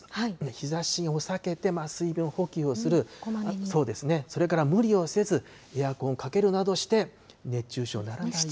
日ざしを避けて、水分補給をする、それから無理をせず、エアコンをかけるなどして、熱中症にならないようにね。